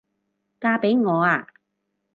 嫁畀我吖？